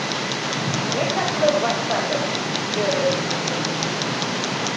— Пешак чот вашкатыс, — ӧрӧ Изи принц.